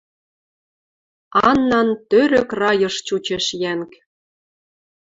Аннан — тӧрӧк райыш чучеш йӓнг.